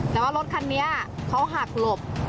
แต่ว่ารถคันนี้เขาหักหลบ